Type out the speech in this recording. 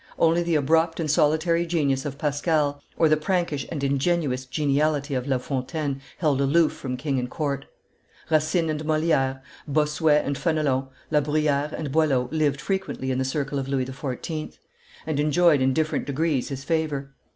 Only the abrupt and solitary genius of Pascal or the prankish and ingenuous geniality of La Fontaine held aloof from king and court; Racine and Moliere, Bossuet and Fenelon, La Bruyere and Boileau lived frequently in the circle of Louis XIV., and enjoyed in different degrees his favor; M.